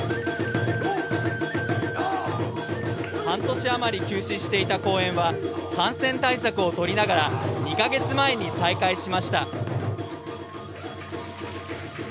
半年あまり休止していた公演は感染対策をとりながら２か月前に再開しました。